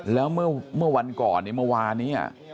แล้วเมื่อวันก่อนเมื่อวานี้